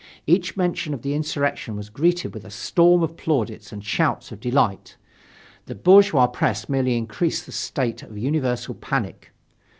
Each mention of the insurrection was greeted with a storm of plaudits and shouts of delight. The bourgeois press merely increased the state of universal panic.